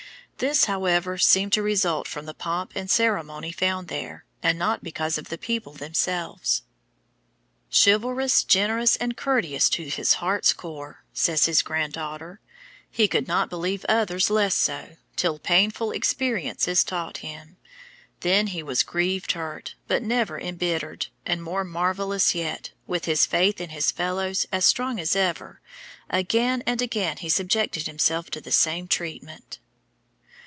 This, however, seemed to result from the pomp and ceremony found there, and not because of the people themselves. "Chivalrous, generous, and courteous to his heart's core," says his granddaughter, "he could not believe others less so, till painful experiences taught him; then he was grieved, hurt, but never embittered; and, more marvellous yet, with his faith in his fellows as strong as ever, again and again he subjected himself to the same treatment."